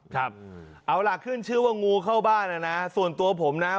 ครับเอาล่ะขึ้นชื่อว่างูเข้าบ้านอ่ะนะส่วนตัวผมนะ